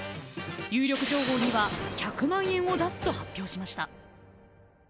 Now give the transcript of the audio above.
有力情報には１００万円を出すと発表しました。